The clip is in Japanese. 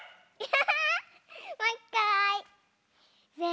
ハハハハ！